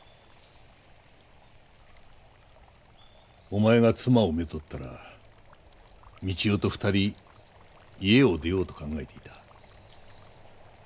お前が妻を娶ったら三千代と２人家を出ようと考えていた。